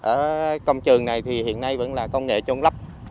ở công trường này thì hiện nay vẫn là công nghệ trôn lấp